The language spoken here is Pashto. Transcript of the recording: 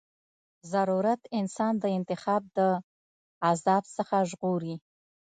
ضرورت انسان د انتخاب د عذاب څخه ژغوري.